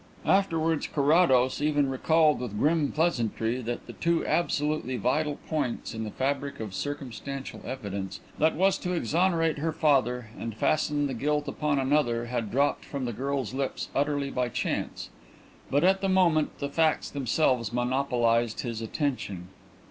Afterwards Carrados often recalled with grim pleasantry that the two absolutely vital points in the fabric of circumstantial evidence that was to exonerate her father and fasten the guilt upon another had dropped from the girl's lips utterly by chance. But at the moment the facts themselves monopolized his attention.